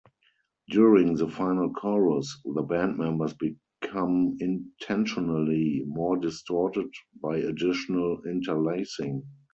During the final chorus, the band members become intentionally more distorted by additional interlacing.